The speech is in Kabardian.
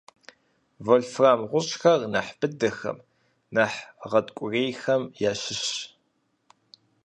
Вольфрамыр гъущӏхэкӏ нэхъ быдэхэм, нэхъ гъэткӏугъуейхэм ящыщщ.